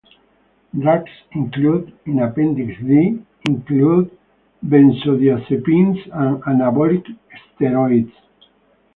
Drugs included in Appendix D include benzodiazepines and anabolic steroids.